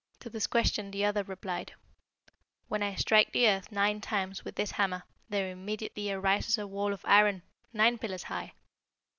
To this question the other replied, 'When I strike the earth nine times with this hammer, there immediately arises a wall of iron, nine pillars high.'